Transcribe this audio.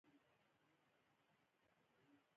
آب وهوا د افغانستان د امنیت په اړه هم اغېز لري.